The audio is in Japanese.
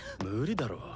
無理だろ。